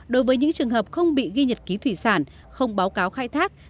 đối với những trường hợp không bị ghi nhật ký thủy sản không báo cáo khai thác